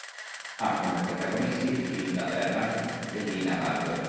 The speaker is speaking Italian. Ha come protagonisti Hilda Bernard e Lina Bardo.